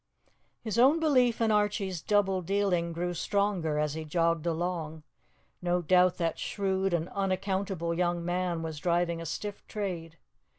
His own belief in Archie's double dealing grew stronger as he jogged along; no doubt that shrewd and unaccountable young man was driving a stiff trade.